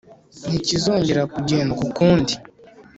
ntikizongera kugendwa ukundi.